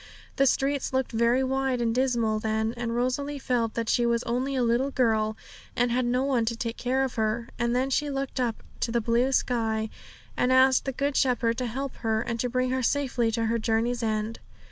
The streets looked very wide and dismal then, and Rosalie felt that she was only a little girl, and had no one to take care of her. And then she looked up to the blue sky, and asked the Good Shepherd to help her, and to bring her safely to her journey's end.